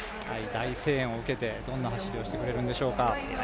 大声援を受けてどんな走りをしてくれるんでしょうか？